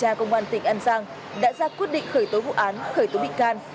chà công an tỉnh an giang đã ra quyết định khởi tố vụ án khởi tố bị can